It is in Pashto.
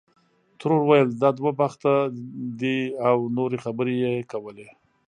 ترور ویل دا دوه بخته دی او نورې خبرې یې کولې.